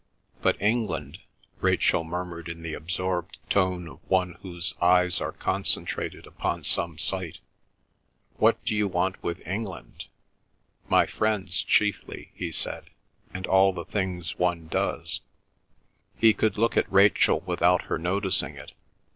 "But England," Rachel murmured in the absorbed tone of one whose eyes are concentrated upon some sight. "What d'you want with England?" "My friends chiefly," he said, "and all the things one does." He could look at Rachel without her noticing it.